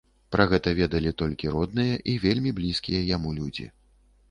Пра гэта ведалі толькі родныя і вельмі блізкія яму людзі.